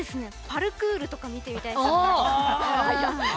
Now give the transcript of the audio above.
パルクールとか見てみたいですよね。